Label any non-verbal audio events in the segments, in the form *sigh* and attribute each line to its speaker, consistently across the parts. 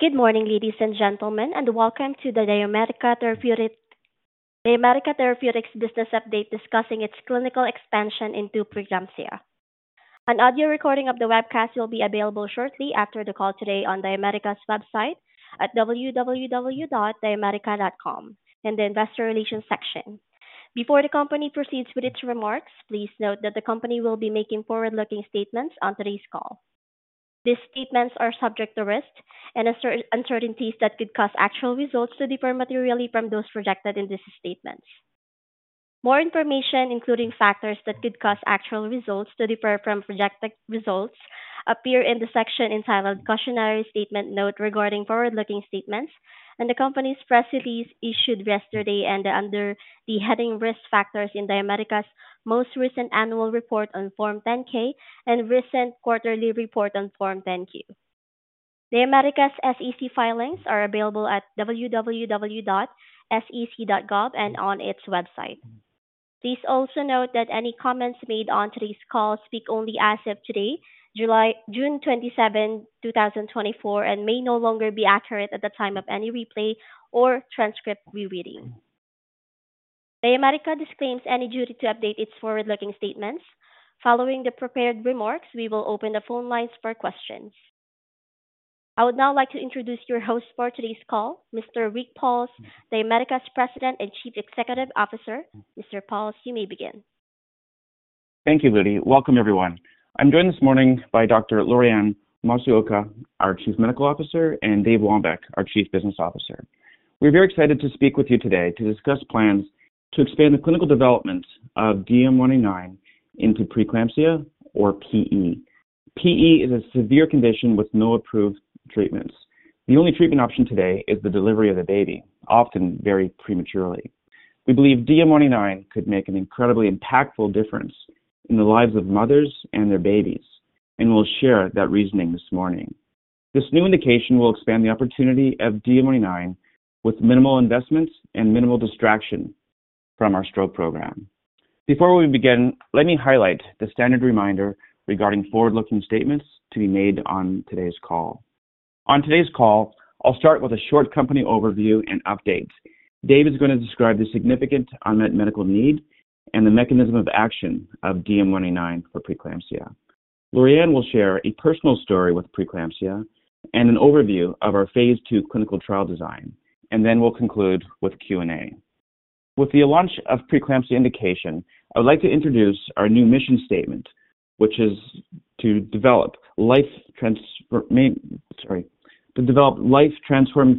Speaker 1: Good morning, ladies and gentlemen, and welcome to the DiaMedica Therapeutics business update discussing its clinical expansion into preeclampsia. An audio recording of the webcast will be available shortly after the call today on DiaMedica's website at www.diamedica.com in the Investor Relations section. Before the company proceeds with its remarks, please note that the company will be making forward-looking statements on today's call. These statements are subject to risks and uncertainties that could cause actual results to differ materially from those projected in these statements. More information, including factors that could cause actual results to differ from projected results, appears in the section entitled "Cautionary Statement Note Regarding Forward-Looking Statements," and the company's press release issued yesterday and under the heading "Risk Factors" in DiaMedica's most recent annual report on Form 10-K and recent quarterly report on Form 10-Q. DiaMedica's SEC filings are available at www.sec.gov and on its website. Please also note that any comments made on today's call speak only as of today, June 27, 2024, and may no longer be accurate at the time of any replay or transcript rereading. DiaMedica disclaims any duty to update its forward-looking statements. Following the prepared remarks, we will open the phone lines for questions. I would now like to introduce your host for today's call, Mr. Rick Pauls, DiaMedica's President and Chief Executive Officer. Mr. Pauls, you may begin.
Speaker 2: Thank you, Lily. Welcome, everyone. I'm joined this morning by Dr. Lorianne Masuoka, our Chief Medical Officer, and Dave Wambeke, our Chief Business Officer. We're very excited to speak with you today to discuss plans to expand the clinical development of DM199 into Preeclampsia, or PE. PE is a severe condition with no approved treatments. The only treatment option today is the delivery of the baby, often very prematurely. We believe DM199 could make an incredibly impactful difference in the lives of mothers and their babies, and we'll share that reasoning this morning. This new indication will expand the opportunity of DM199 with minimal investment and minimal distraction from our stroke program. Before we begin, let me highlight the standard reminder regarding forward-looking statements to be made on today's call. On today's call, I'll start with a short company overview and update. Dave is going to describe the significant unmet medical need and the mechanism of action of DM199 for preeclampsia. Lorianne will share a personal story with preeclampsia and an overview of our phase II clinical trial design, and then we'll conclude with Q&A. With the launch of preeclampsia indication, I would like to introduce our new mission statement, which is to develop life-transforming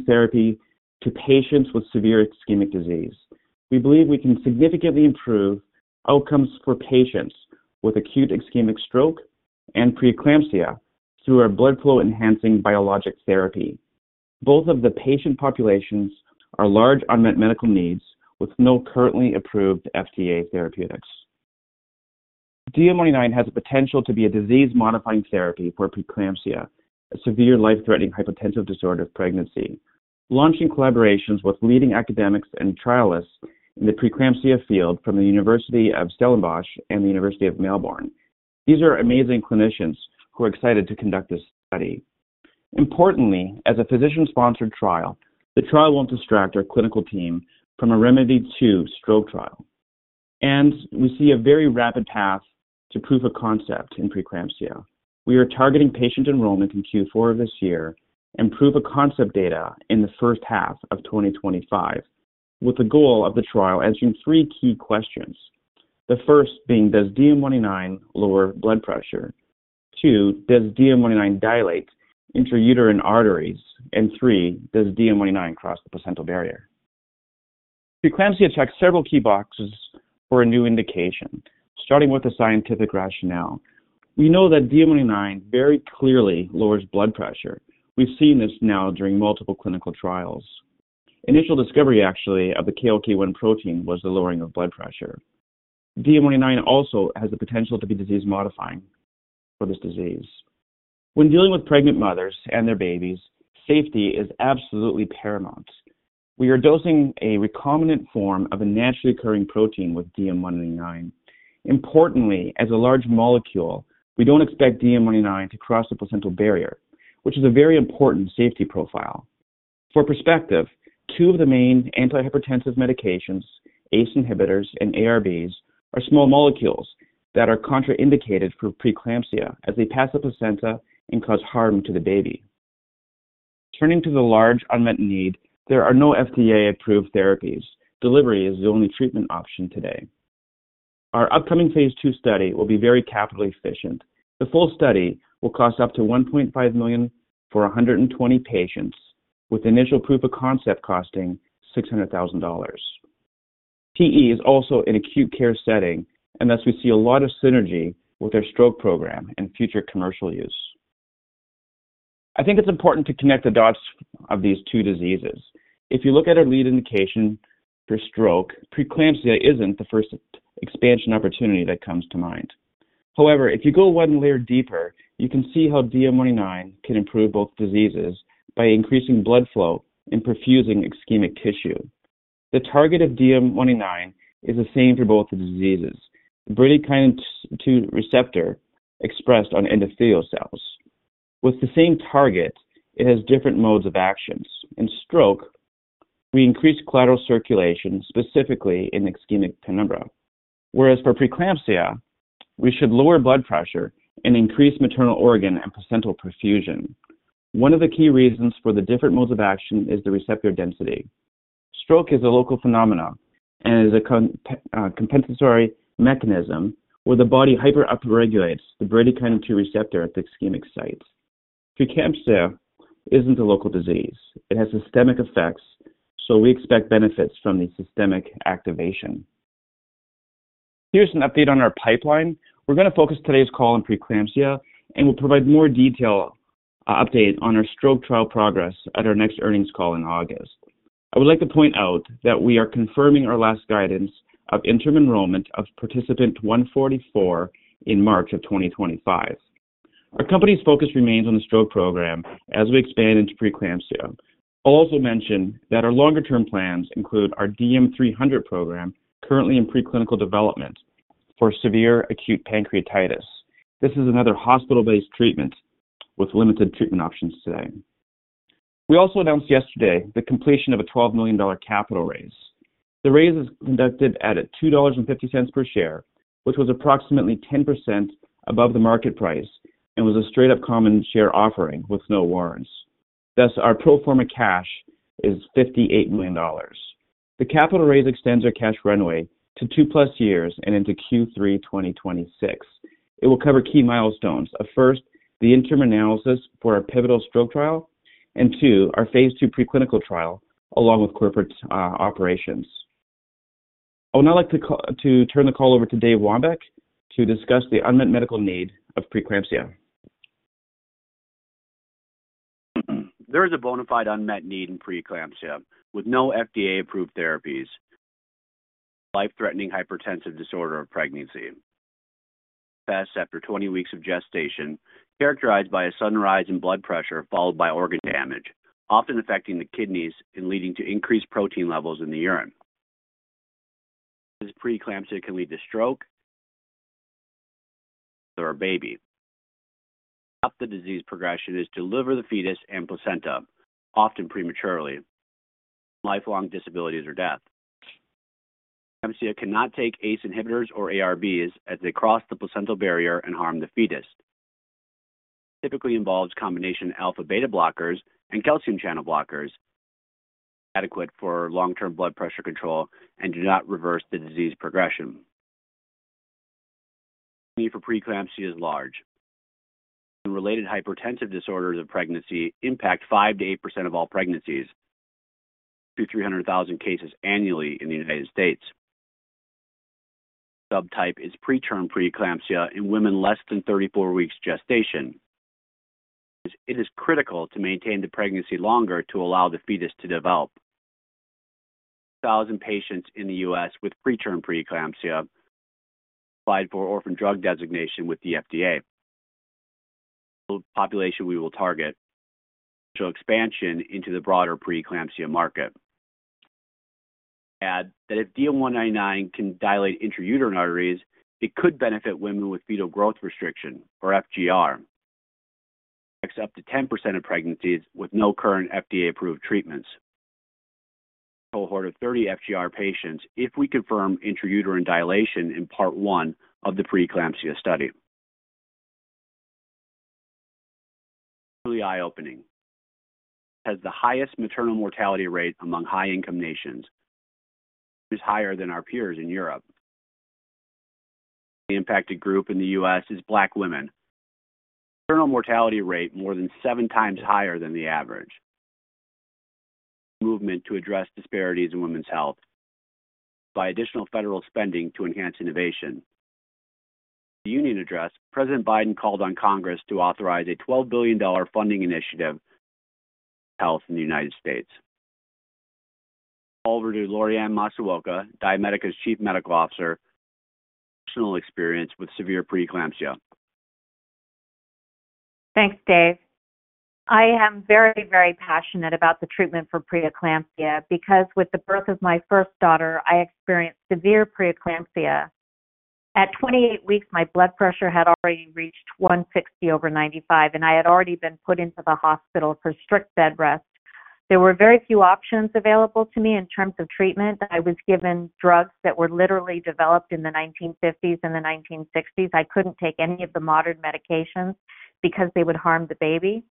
Speaker 2: therapy to patients with severe ischemic disease. We believe we can significantly improve outcomes for patients with acute ischemic stroke and preeclampsia through our blood flow-enhancing biologic therapy. Both of the patient populations are large unmet medical needs with no currently approved FDA therapeutics. DM199 has the potential to be a disease-modifying therapy for preeclampsia, a severe life-threatening hypertensive disorder of pregnancy. Launching collaborations with leading academics and trialists in the preeclampsia field from Stellenbosch University and the University of Melbourne. These are amazing clinicians who are excited to conduct this study. Importantly, as a physician-sponsored trial, the trial won't distract our clinical team from a ReMEDy2 stroke trial. We see a very rapid path to proof of concept in preeclampsia. We are targeting patient enrollment in Q4 of this year and proof of concept data in the first half of 2025, with the goal of the trial answering three key questions. The first being, does DM199 lower blood pressure? Two, does DM199 dilate intrauterine arteries? And three, does DM199 cross the placental barrier? Preeclampsia checks several key boxes for a new indication, starting with the scientific rationale. We know that DM199 very clearly lowers blood pressure. We've seen this now during multiple clinical trials. Initial discovery, actually, of the KLK1 protein was the lowering of blood pressure. DM199 also has the potential to be disease-modifying for this disease. When dealing with pregnant mothers and their babies, safety is absolutely paramount. We are dosing a recombinant form of a naturally occurring protein with DM199. Importantly, as a large molecule, we don't expect DM199 to cross the placental barrier, which is a very important safety profile. For perspective, two of the main antihypertensive medications, ACE inhibitors and ARBs, are small molecules that are contraindicated for preeclampsia as they pass the placenta and cause harm to the baby. Turning to the large unmet need, there are no FDA-approved therapies. Delivery is the only treatment option today. Our upcoming phase II study will be very capital efficient. The full study will cost up to $1.5 million for 120 patients, with initial proof of concept costing $600,000. PE is also an acute care setting, and thus we see a lot of synergy with our stroke program and future commercial use. I think it's important to connect the dots of these two diseases. If you look at our lead indication for stroke, preeclampsia isn't the first expansion opportunity that comes to mind. However, if you go one layer deeper, you can see how DM199 can improve both diseases by increasing blood flow and perfusing ischemic tissue. The target of DM199 is the same for both diseases: Bradykinin B2 receptor expressed on endothelial cells. With the same target, it has different modes of action. In stroke, we increase collateral circulation, specifically in ischemic penumbra. Whereas for preeclampsia, we should lower blood pressure and increase maternal organ and placental perfusion. One of the key reasons for the different modes of action is the receptor density. Stroke is a local phenomenon and is a compensatory mechanism where the body hyper-upregulates the Bradykinin B2 receptor at the ischemic sites. Preeclampsia isn't a local disease. It has systemic effects, so we expect benefits from the systemic activation. Here's an update on our pipeline. We're going to focus today's call on Preeclampsia, and we'll provide a more detailed update on our stroke trial progress at our next earnings call in August. I would like to point out that we are confirming our last guidance of interim enrollment of participant 144 in March of 2025. Our company's focus remains on the stroke program as we expand into Preeclampsia. I'll also mention that our longer-term plans include our DM300 program currently in preclinical development for severe acute pancreatitis. This is another hospital-based treatment with limited treatment options today. We also announced yesterday the completion of a $12 million capital raise. The raise is conducted at $2.50 per share, which was approximately 10% above the market price and was a straight-up common share offering with no warrants. Thus, our pro forma cash is $58 million. The capital raise extends our cash runway to 2+ years and into Q3 2026. It will cover key milestones: first, the interim analysis for our pivotal stroke trial, and two, our phase II preclinical trial, along with corporate operations. I would now like to turn the call over to Dave Wambeke to discuss the unmet medical need of preeclampsia.
Speaker 3: There is a bona fide unmet need in preeclampsia with no FDA-approved therapies for life-threatening hypertensive disorder of pregnancy. It begins after 20 weeks of gestation, characterized by a sudden rise in blood pressure followed by organ damage, often affecting the kidneys and leading to increased protein levels in the urine. Preeclampsia can lead to stroke *audio distortion* or a baby. The disease progression is to deliver the fetus and placenta, often prematurely, lifelong disabilities, or death. Preeclampsia cannot take ACE inhibitors or ARBs as they cross the placental barrier and harm the fetus. It typically involves combination alpha-beta blockers and calcium channel blockers adequate for long-term blood pressure control and do not reverse the disease progression. The need for preeclampsia is large. Related hypertensive disorders of pregnancy impact 5%-8% of all pregnancies, up to 300,000 cases annually in the United States. Subtype is preterm preeclampsia in women less than 34 weeks gestation. It is critical to maintain the pregnancy longer to allow the fetus to develop. 1,000 patients in the U.S. with preterm preeclampsia applied for orphan drug designation with the FDA. The population we will target will show expansion into the broader preeclampsia market. Add that if DM199 can dilate intrauterine arteries, it could benefit women with fetal growth restriction, or FGR, up to 10% of pregnancies with no current FDA-approved treatments. Cohort of 30 FGR patients if we confirm intrauterine dilation in part one of the preeclampsia study. Truly eye-opening. It has the highest maternal mortality rate among high-income nations. It is higher than our peers in Europe. The impacted group in the U.S. is black women. Maternal mortality rate more than seven times higher than the average. Movement to address disparities in women's health by additional federal spending to enhance innovation. At the union address, President Biden called on Congress to authorize a $12 billion funding initiative for health in the United States. Over to Lorianne Masuoka, DiaMedica's Chief Medical Officer, personal experience with severe preeclampsia.
Speaker 4: Thanks, Dave. I am very, very passionate about the treatment for preeclampsia because with the birth of my first daughter, I experienced severe preeclampsia. At 28 weeks, my blood pressure had already reached 160/95, and I had already been put into the hospital for strict bed rest. There were very few options available to me in terms of treatment. I was given drugs that were literally developed in the 1950s and the 1960s. I couldn't take any of the modern medications because they would harm the baby.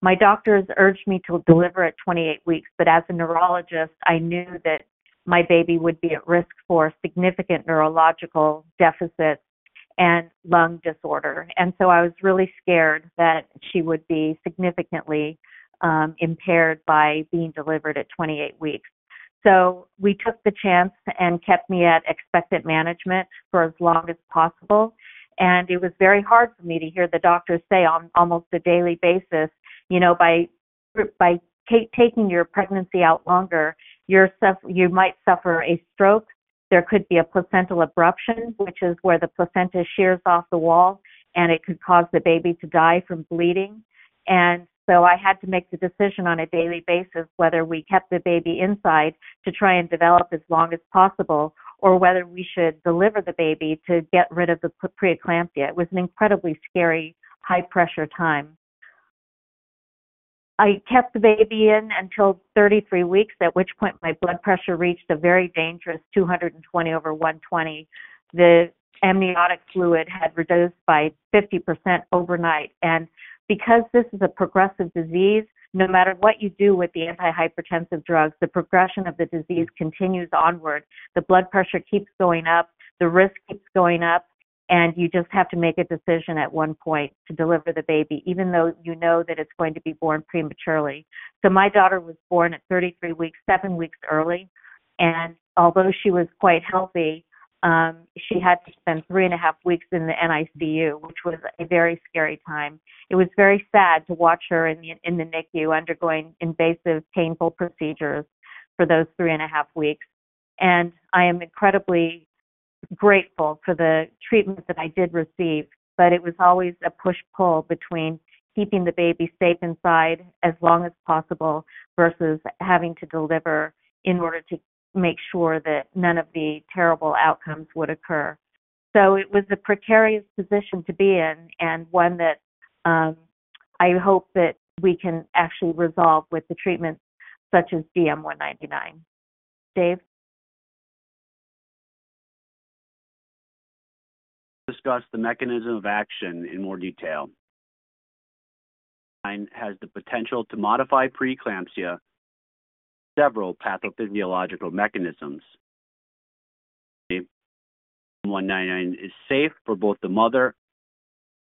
Speaker 4: My doctors urged me to deliver at 28 weeks, but as a neurologist, I knew that my baby would be at risk for significant neurological deficits and lung disorder. And so I was really scared that she would be significantly impaired by being delivered at 28 weeks. So we took the chance and kept me at expectant management for as long as possible. It was very hard for me to hear the doctors say on almost a daily basis, you know, by taking your pregnancy out longer, you might suffer a stroke. There could be a placental abruption, which is where the placenta shears off the wall, and it could cause the baby to die from bleeding. So I had to make the decision on a daily basis whether we kept the baby inside to try and develop as long as possible or whether we should deliver the baby to get rid of the preeclampsia. It was an incredibly scary, high-pressure time. I kept the baby in until 33 weeks, at which point my blood pressure reached a very dangerous 220/120. The amniotic fluid had reduced by 50% overnight. Because this is a progressive disease, no matter what you do with the antihypertensive drugs, the progression of the disease continues onward. The blood pressure keeps going up, the risk keeps going up, and you just have to make a decision at one point to deliver the baby, even though you know that it's going to be born prematurely. My daughter was born at 33 weeks, seven weeks early. Although she was quite healthy, she had to spend three and a half weeks in the NICU, which was a very scary time. It was very sad to watch her in the NICU undergoing invasive, painful procedures for those three and a half weeks. I am incredibly grateful for the treatment that I did receive, but it was always a push-pull between keeping the baby safe inside as long as possible versus having to deliver in order to make sure that none of the terrible outcomes would occur. So it was a precarious position to be in and one that I hope that we can actually resolve with the treatments such as DM199. Dave?
Speaker 3: Discuss the mechanism of action in more detail. Has the potential to modify preeclampsia several pathophysiological mechanisms. DM199 is safe for both the mother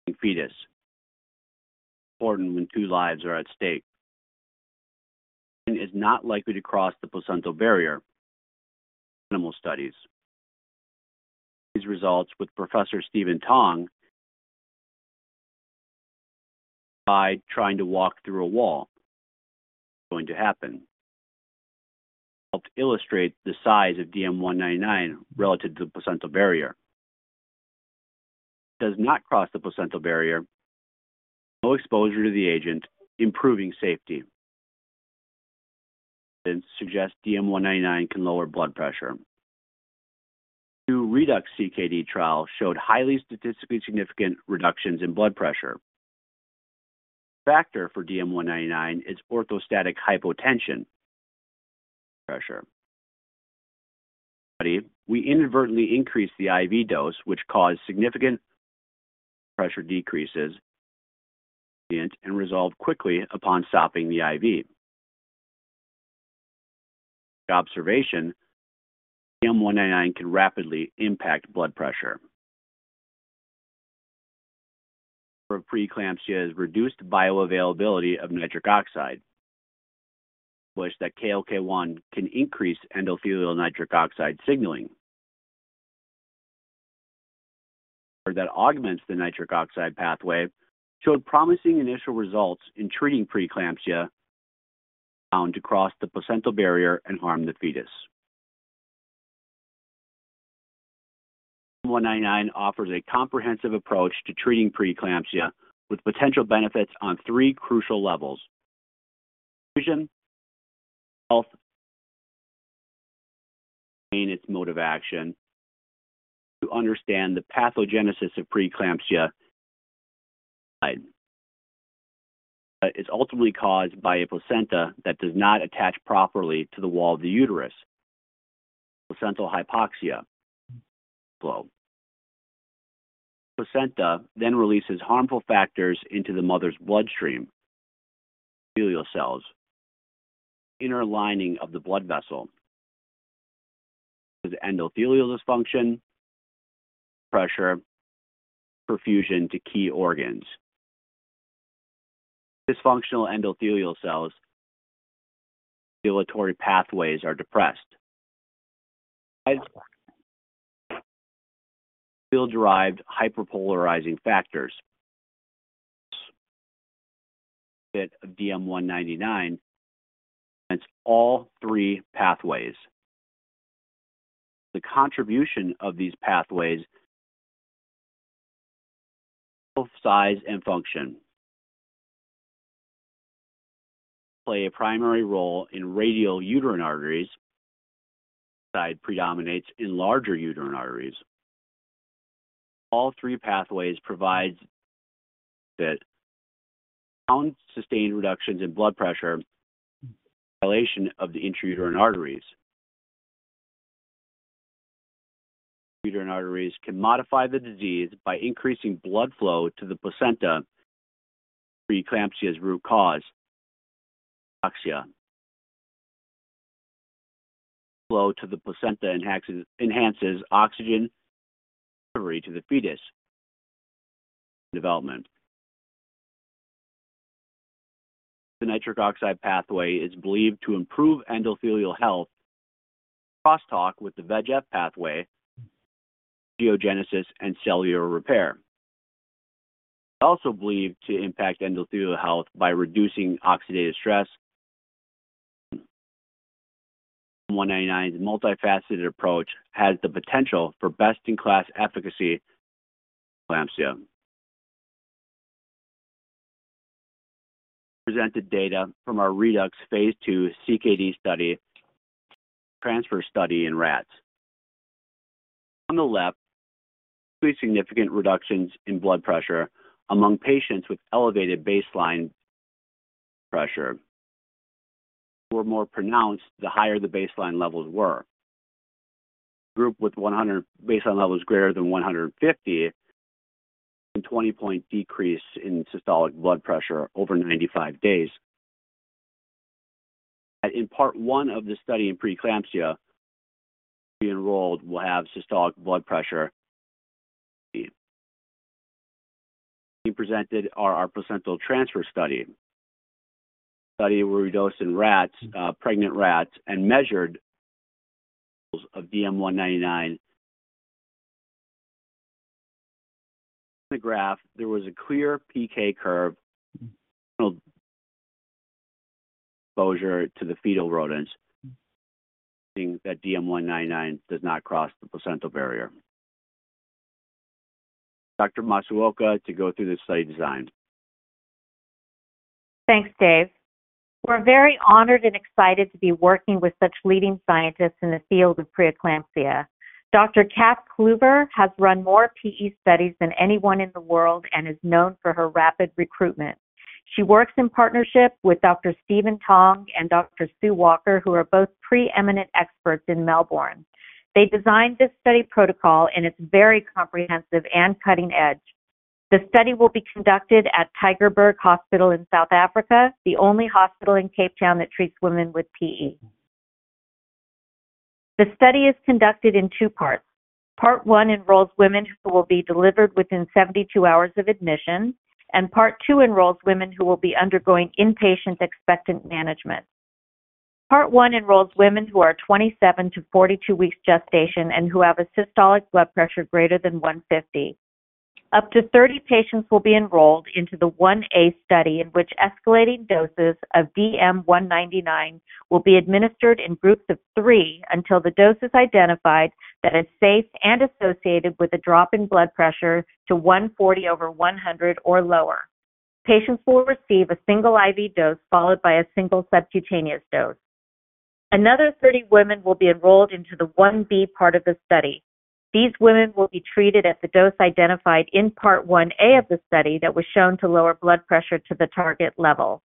Speaker 3: and fetus. Important when two lives are at stake. Is not likely to cross the placental barrier. Animal studies. These results with Professor Stephen Tong by trying to walk through a wall. Going to happen. Helped illustrate the size of DM199 relative to the placental barrier. Does not cross the placental barrier. No exposure to the agent, improving safety. Evidence suggests DM199 can lower blood pressure. Two REDUX CKD trials showed highly statistically significant reductions in blood pressure. Factor for DM199 is orthostatic hypotension blood pressure. We inadvertently increased the IV dose, which caused significant pressure decreases and resolved quickly upon stopping the IV. Observation, DM199 can rapidly impact blood pressure. For preeclampsia, has reduced bioavailability of nitric oxide. That KLK1 can increase endothelial nitric oxide signaling. That augments the nitric oxide pathway showed promising initial results in treating preeclampsia found to cross the placental barrier and harm the fetus. DM199 offers a comprehensive approach to treating preeclampsia with potential benefits on three crucial levels. Health. Maintain its mode of action. To understand the pathogenesis of preeclampsia. *audio distortion* It is ultimately caused by a placenta that does not attach properly to the wall of the uterus. Placental hypoxia. *audio distortion* The placenta then releases harmful factors into the mother's bloodstream. *audio distortion* Endothelial cells. Inner lining of the blood vessel. Endothelial dysfunction. Blood pressure. Perfusion to key organs. Dysfunctional endothelial cells. Vascular pathways are depressed. Endothelium-derived hyperpolarizing factors. *audio distortion* DM199. All three pathways. The contribution of these pathways. Both size and function. Play a primary role in radial uterine arteries. EDHF predominates in larger uterine arteries. All three pathways provide. Found sustained reductions in blood pressure. Dilation of the intrauterine arteries. Uterine arteries can modify the disease by increasing blood flow to the placenta. Preeclampsia’s root cause. Hypoxia. Flow to the placenta enhances oxygen delivery to the fetus. Development. The nitric oxide pathway is believed to improve endothelial health. Cross-talk with the VEGF pathway. Angiogenesis and cellular repair. Also believed to impact endothelial health by reducing oxidative stress. DM199’s multifaceted approach has the potential for best-in-class efficacy. Presented data from our REDUX phase II CKD study. Transfer study in rats. On the left, significant reductions in blood pressure among patients with elevated baseline blood pressure. Were more pronounced the higher the baseline levels were. Group with baseline levels greater than 150. 20-point decrease in systolic blood pressure over 95 days. In part one of the study in preeclampsia. We enrolled will have systolic blood pressure. Presented are our placental transfer study. Study where we dosed in rats, pregnant rats, and measured levels of DM199. In the graph, there was a clear PK curve. Exposure to the fetal rodents. That DM199 does not cross the placental barrier. Dr. Masuoka to go through the study design.
Speaker 4: Thanks, Dave. We're very honored and excited to be working with such leading scientists in the field of preeclampsia. Dr. Cath Cluver has run more PE studies than anyone in the world and is known for her rapid recruitment. She works in partnership with Dr. Stephen Tong and Dr. Sue Walker, who are both preeminent experts in Melbourne. They designed this study protocol, and it's very comprehensive and cutting edge. The study will be conducted at Tygerberg Hospital in South Africa, the only hospital in Cape Town that treats women with PE. The study is conducted in two parts. Part one enrolls women who will be delivered within 72 hours of admission, and part two enrolls women who will be undergoing inpatient expectant management. Part one enrolls women who are 27-42 weeks gestation and who have a systolic blood pressure greater than 150. Up to 30 patients will be enrolled into the 1A study in which escalating doses of DM199 will be administered in groups of three until the dose is identified that is safe and associated with a drop in blood pressure to 140/100 or lower. Patients will receive a single IV dose followed by a single subcutaneous dose. Another 30 women will be enroled into the 1B part of the study. These women will be treated at the dose identified in part 1A of the study that was shown to lower blood pressure to the target level.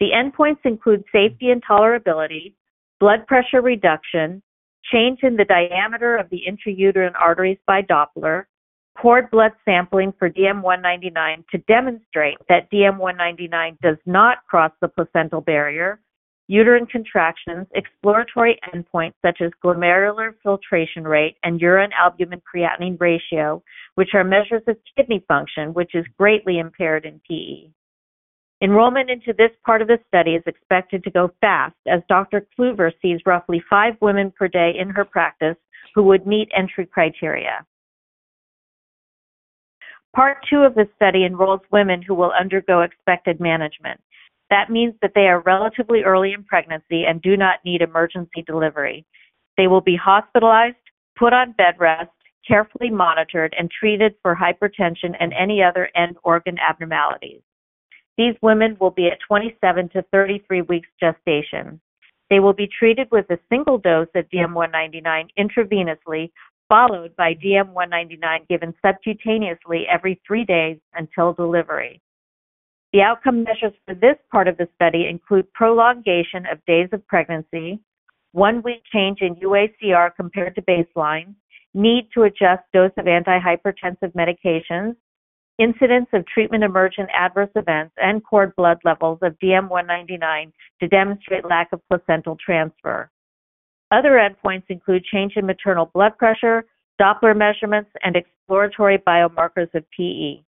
Speaker 4: The endpoints include safety and tolerability, blood pressure reduction, change in the diameter of the intrauterine arteries by Doppler, cord blood sampling for DM199 to demonstrate that DM199 does not cross the placental barrier, uterine contractions, exploratory endpoints such as glomerular filtration rate and urine albumin creatinine ratio, which are measures of kidney function, which is greatly impaired in PE. Enrollment into this part of the study is expected to go fast as Dr. Cluver sees roughly five women per day in her practice who would meet entry criteria. Part two of the study enrolls women who will undergo expectant management. That means that they are relatively early in pregnancy and do not need emergency delivery. They will be hospitalized, put on bed rest, carefully monitored, and treated for hypertension and any other end organ abnormalities. These women will be at 27-33 weeks gestation. They will be treated with a single dose of DM199 intravenously, followed by DM199 given subcutaneously every three days until delivery. The outcome measures for this part of the study include prolongation of days of pregnancy, one-week change in UACR compared to baseline, need to adjust dose of antihypertensive medications, incidence of treatment-emergent adverse events, and cord blood levels of DM199 to demonstrate lack of placental transfer. Other endpoints include change in maternal blood pressure, Doppler measurements, and exploratory biomarkers of PE.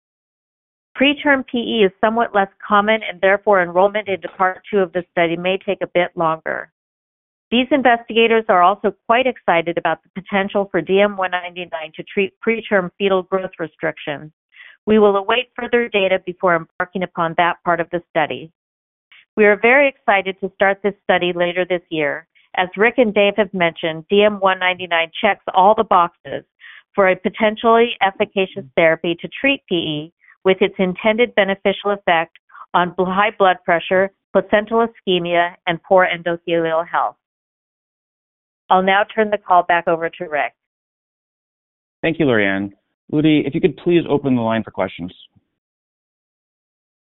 Speaker 4: Preterm PE is somewhat less common and therefore enrollment into part two of the study may take a bit longer. These investigators are also quite excited about the potential for DM199 to treat preterm fetal growth restrictions. We will await further data before embarking upon that part of the study. We are very excited to start this study later this year. As Rick and Dave have mentioned, DM199 checks all the boxes for a potentially efficacious therapy to treat PE with its intended beneficial effect on high blood pressure, placental ischemia, and poor endothelial health. I'll now turn the call back over to Rick.
Speaker 2: Thank you, Lorianne. Would you, if you could please open the line for questions?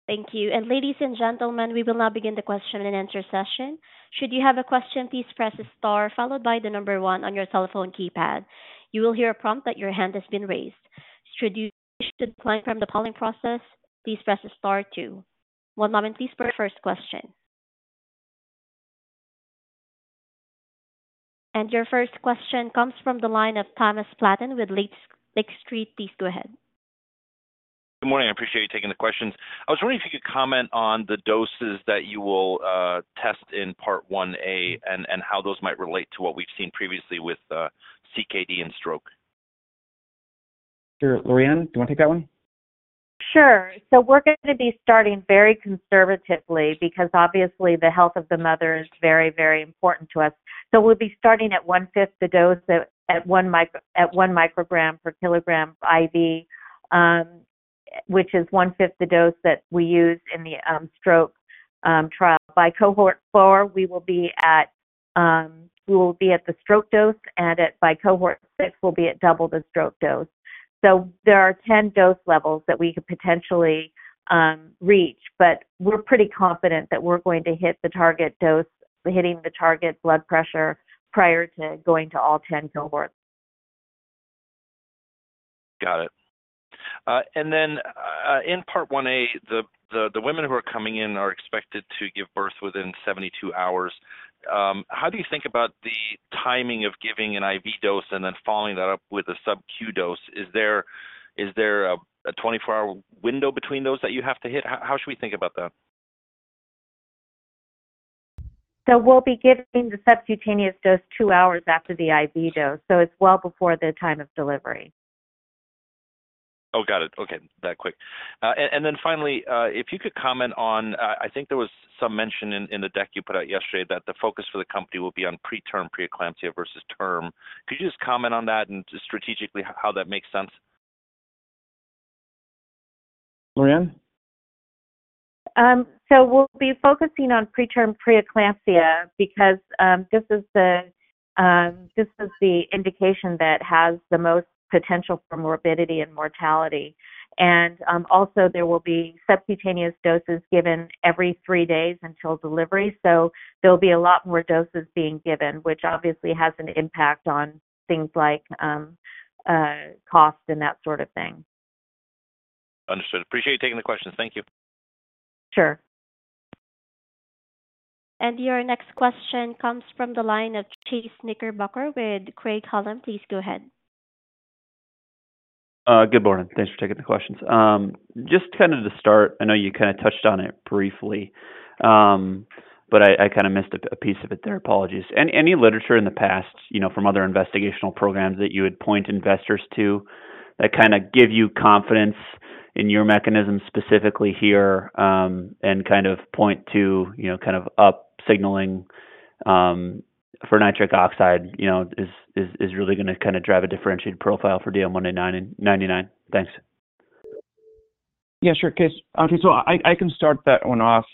Speaker 1: Thank you. And ladies and gentlemen, we will now begin the question and answer session. Should you have a question, please press star followed by the number one on your telephone keypad. You will hear a prompt that your hand has been raised. Should you be calling from the polling process, please press star two. One moment, please put first question. And your first question comes from the line of Thomas Flaten with Lake Street. Please go ahead.
Speaker 5: Good morning. I appreciate you taking the questions. I was wondering if you could comment on the doses that you will test in part 1A and how those might relate to what we've seen previously with CKD and stroke.
Speaker 2: Sure. Lorianne, do you want to take that one?
Speaker 4: Sure. So we're going to be starting very conservatively because obviously the health of the mother is very, very important to us. So we'll be starting at 1/5 the dose at 1 microgram per kilogram IV, which is 1/5 the dose that we use in the stroke trial. By cohort four, we will be at the stroke dose and by cohort six, we'll be at double the stroke dose. So there are 10 dose levels that we could potentially reach, but we're pretty confident that we're going to hit the target dose, hitting the target blood pressure prior to going to all 10 cohorts.
Speaker 5: Got it. Then in part 1A, the women who are coming in are expected to give birth within 72 hours. How do you think about the timing of giving an IV dose and then following that up with a subcutaneous dose? Is there a 24-hour window between those that you have to hit? How should we think about that?
Speaker 4: We'll be giving the subcutaneous dose 2 hours after the IV dose. So it's well before the time of delivery.
Speaker 5: Oh, got it. Okay. That quick. And then finally, if you could comment on, I think there was some mention in the deck you put out yesterday that the focus for the company will be on preterm preeclampsia versus term. Could you just comment on that and strategically how that makes sense?
Speaker 2: Lorianne?
Speaker 4: We'll be focusing on preterm preeclampsia because this is the indication that has the most potential for morbidity and mortality. Also there will be subcutaneous doses given every three days until delivery. There'll be a lot more doses being given, which obviously has an impact on things like cost and that sort of thing.
Speaker 5: Understood. Appreciate you taking the questions. Thank you.
Speaker 4: Sure.
Speaker 1: And your next question comes from the line of Chase Knickerbocker with Craig-Hallum. Please go ahead.
Speaker 6: Good morning. Thanks for taking the questions. Just kind of to start, I know you kind of touched on it briefly, but I kind of missed a piece of it there. Apologies. Any literature in the past from other investigational programs that you would point investors to that kind of give you confidence in your mechanism specifically here and kind of point to kind of signaling for nitric oxide is really going to kind of drive a differentiated profile for DM199? Thanks.
Speaker 2: Yeah, sure. Okay. So I can start that one off.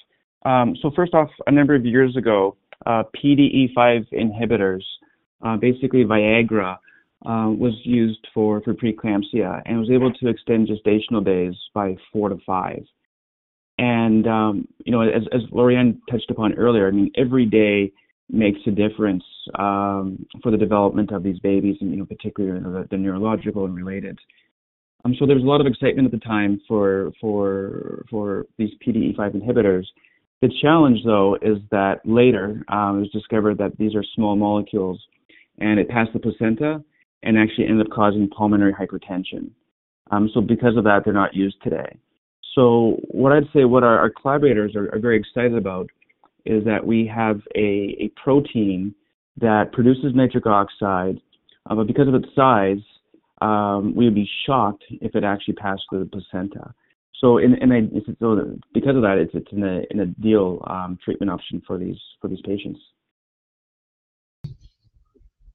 Speaker 2: So first off, a number of years ago, PDE5 inhibitors, basically Viagra, was used for preeclampsia and was able to extend gestational days by 4-5. And as Lorianne touched upon earlier, I mean, every day makes a difference for the development of these babies and particularly the neurological and related. So there was a lot of excitement at the time for these PDE5 inhibitors. The challenge, though, is that later it was discovered that these are small molecules and it passed the placenta and actually ended up causing pulmonary hypertension. So because of that, they're not used today. So what I'd say, what our collaborators are very excited about is that we have a protein that produces nitric oxide, but because of its size, we would be shocked if it actually passed through the placenta. Because of that, it's an ideal treatment option for these patients.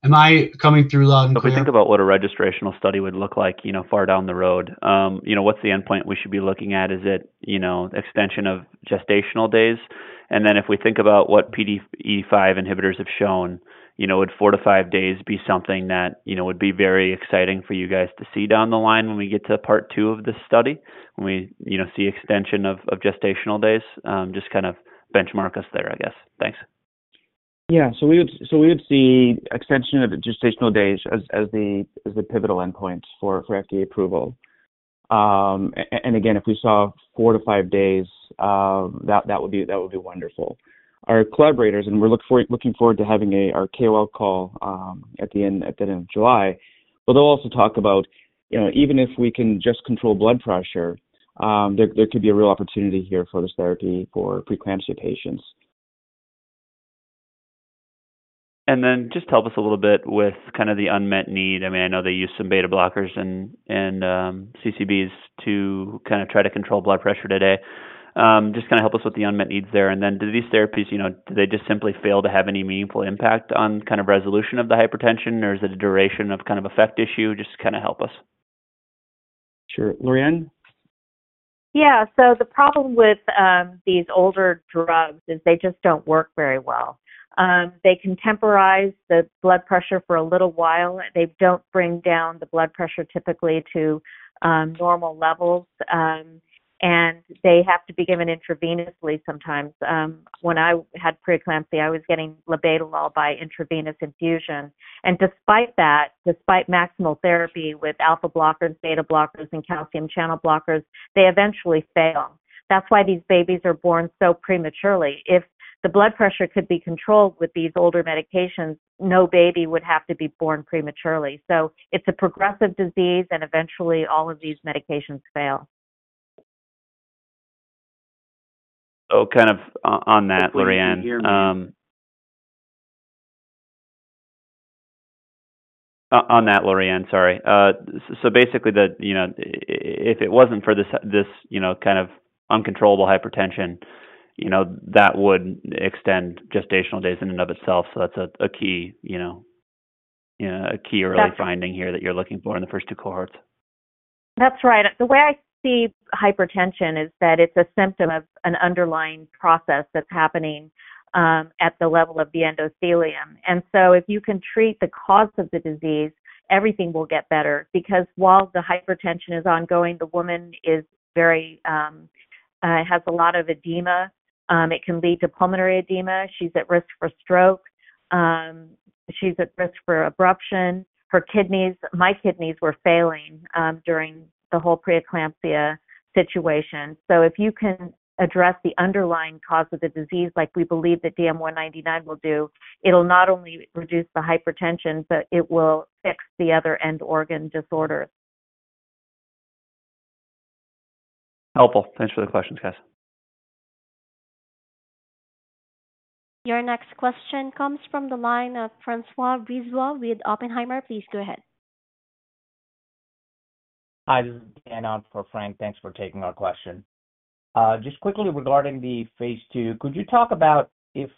Speaker 5: Am I coming through loud and clear?
Speaker 6: If we think about what a registrational study would look like far down the road, what's the endpoint we should be looking at? Is it extension of gestational days? And then if we think about what PDE5 inhibitors have shown, would 4-5 days be something that would be very exciting for you guys to see down the line when we get to part two of this study? When we see extension of gestational days, just kind of benchmark us there, I guess. Thanks.
Speaker 2: Yeah. So we would see extension of gestational days as the pivotal endpoint for FDA approval. Again, if we saw 4-5 days, that would be wonderful. Our collaborators, and we're looking forward to having our KOL call at the end of July, but they'll also talk about even if we can just control blood pressure, there could be a real opportunity here for this therapy for preeclampsia patients.
Speaker 6: Just help us a little bit with kind of the unmet need. I mean, I know they use some beta blockers and CCBs to kind of try to control blood pressure today. Just kind of help us with the unmet needs there. Do these therapies, do they just simply fail to have any meaningful impact on kind of resolution of the hypertension, or is it a duration of kind of effect issue? Just kind of help us.
Speaker 2: Sure. Lorianne?
Speaker 4: Yeah. So the problem with these older drugs is they just don't work very well. They can temporize the blood pressure for a little while. They don't bring down the blood pressure typically to normal levels. And they have to be given intravenously sometimes. When I had preeclampsia, I was getting labetalol by intravenous infusion. And despite that, despite maximal therapy with alpha blockers, beta blockers, and calcium channel blockers, they eventually fail. That's why these babies are born so prematurely. If the blood pressure could be controlled with these older medications, no baby would have to be born prematurely. So it's a progressive disease, and eventually all of these medications fail.
Speaker 6: Oh, kind of on that, Lorianne. On that, Lorianne, sorry. So basically, if it wasn't for this kind of uncontrollable hypertension, that would extend gestational days in and of itself. So that's a key early finding here that you're looking for in the first two cohorts.
Speaker 4: That's right. The way I see hypertension is that it's a symptom of an underlying process that's happening at the level of the endothelium. And so if you can treat the cause of the disease, everything will get better. Because while the hypertension is ongoing, the woman has a lot of edema. It can lead to pulmonary edema. She's at risk for stroke. She's at risk for abruption. My kidneys were failing during the whole preeclampsia situation. So if you can address the underlying cause of the disease like we believe that DM199 will do, it'll not only reduce the hypertension, but it will fix the other end organ disorders.
Speaker 6: Helpful. Thanks for the questions, guys.
Speaker 1: Your next question comes from the line of François Brisbois with Oppenheimer. Please go ahead.
Speaker 7: Hi. This is Dan for Fran. Thanks for taking our question. Just quickly regarding the phase II, could you talk about if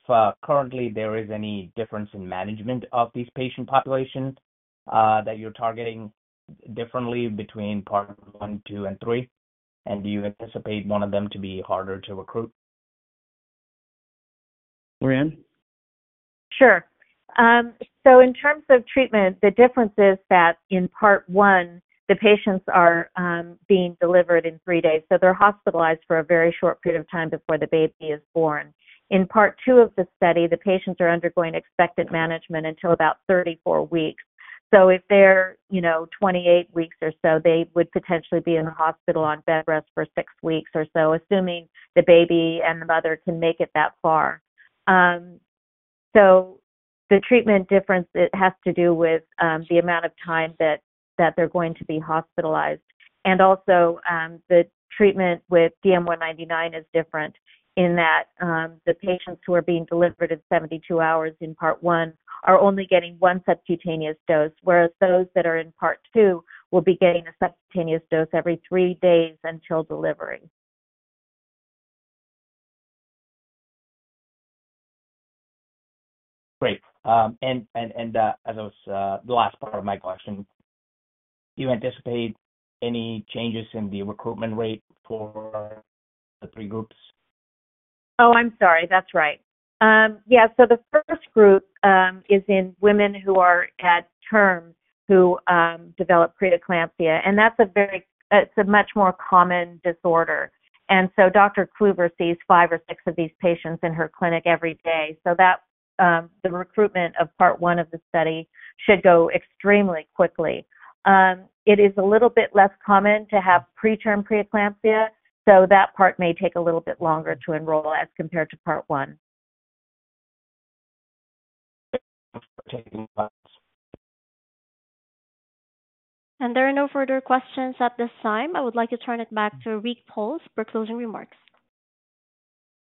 Speaker 7: currently there is any difference in management of these patient populations that you're targeting differently between part one, two, and three? And do you anticipate one of them to be harder to recruit?
Speaker 2: Lorianne?
Speaker 4: Sure. So in terms of treatment, the difference is that in part one, the patients are being delivered in three days. So they're hospitalized for a very short period of time before the baby is born. In part two of the study, the patients are undergoing expectant management until about 34 weeks. So if they're 28 weeks or so, they would potentially be in the hospital on bed rest for six weeks or so, assuming the baby and the mother can make it that far. So the treatment difference, it has to do with the amount of time that they're going to be hospitalized. And also, the treatment with DM199 is different in that the patients who are being delivered at 72 hours in part one are only getting one subcutaneous dose, whereas those that are in part two will be getting a subcutaneous dose every three days until delivery.
Speaker 7: Great. And as I was, the last part of my question, do you anticipate any changes in the recruitment rate for the three groups?
Speaker 4: Oh, I'm sorry. That's right. Yeah. The first group is in women who are at term who develop preeclampsia. That's a much more common disorder. Dr. Cluver sees five or six of these patients in her clinic every day. The recruitment of part one of the study should go extremely quickly. It is a little bit less common to have preterm preeclampsia, so that part may take a little bit longer to enroll as compared to part one.
Speaker 1: There are no further questions at this time. I would like to turn it back to Rick Pauls for closing remarks.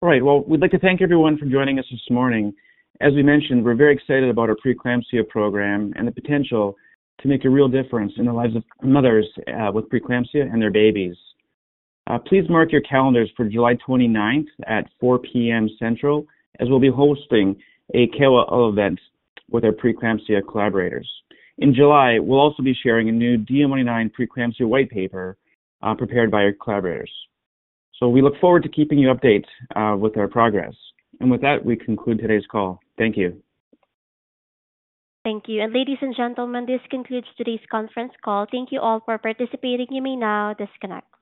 Speaker 2: All right. Well, we'd like to thank everyone for joining us this morning. As we mentioned, we're very excited about our preeclampsia program and the potential to make a real difference in the lives of mothers with preeclampsia and their babies. Please mark your calendars for July 29th at 4:00 P.M. Central, as we'll be hosting a KOL event with our preeclampsia collaborators. In July, we'll also be sharing a new DM199 preeclampsia white paper prepared by our collaborators. So we look forward to keeping you updated with our progress. And with that, we conclude today's call. Thank you.
Speaker 1: Thank you. Ladies and gentlemen, this concludes today's conference call. Thank you all for participating. You may now disconnect.